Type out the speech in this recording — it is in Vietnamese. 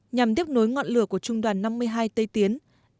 nhằm tiếp nối ngọn lửa của trung đoàn năm mươi hai tây tiến